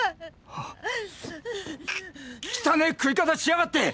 はき汚ぇ食い方しやがって！